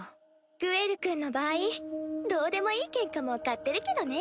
グエル君の場合どうでもいいケンカも買ってるけどね。